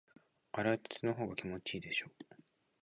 洗いたてのほうが気持ちいいでしょ？